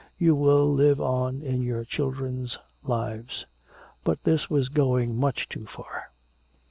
"You will live on in our children's lives." But this was going much too far!